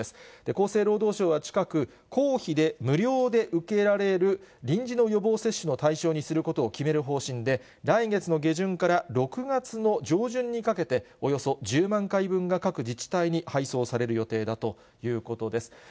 厚生労働省は近く、公費で無料で受けられる、臨時の予防接種の対象にすることを決める方針で、来月の下旬から６月の上旬にかけて、およそ１０万回分が各自治体に配送される予定だということです。